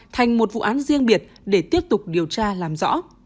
thành một vụ án riêng biệt để tiếp tục điều tra làm rõ